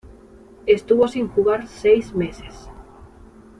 Estuvo sin jugar seis meses.